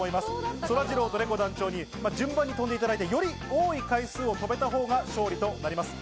そらジローとねこ団長に順番に跳んでいただいて、より多い回数を跳べたほうが勝利となります。